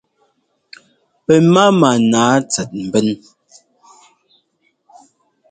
Pɛ máma nǎa tsɛt mbɛ́n.